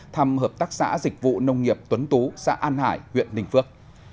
thăm hợp tác xã dịch vụ nông nghiệp tuấn tú xã an hải huyện ninh phước